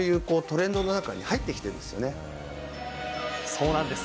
そうなんです。